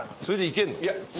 それでいけんの？